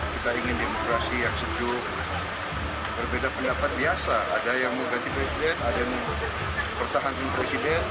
kita ingin demokrasi yang sejuk berbeda pendapat biasa ada yang mau ganti presiden ada yang pertahankan presiden